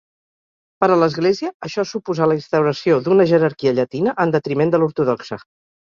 Per a l'Església, això suposà la instauració d'una jerarquia llatina, en detriment de l'ortodoxa.